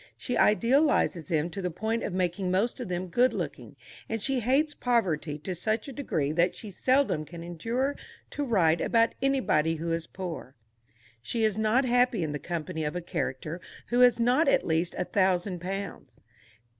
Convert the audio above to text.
She idealizes them to the point of making most of them good looking, and she hates poverty to such a degree that she seldom can endure to write about anybody who is poor. She is not happy in the company of a character who has not at least a thousand pounds.